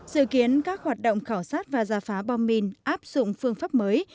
dự kiến các hoạt động khảo sát và giả phá bom mìn áp dụng phương pháp mới